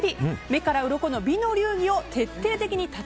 目からうろこの美の流儀を徹底的に怪しい。